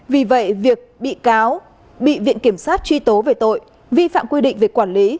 vì vậy việc bị cáo bị viện kiểm sát truy tố về tội vi phạm quy định về quản lý